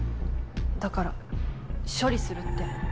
だから「処理する」って。